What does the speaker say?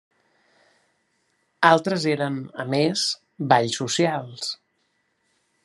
Altres eren, a més, balls socials.